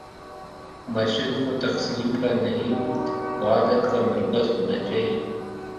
مسجد کو تقسیم کا نہیں، وحدت کا مرکز ہو نا چاہیے۔